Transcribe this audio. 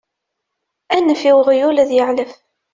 Anef i weɣyul ad yeεlef!